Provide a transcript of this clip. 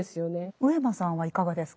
上間さんはいかがですか。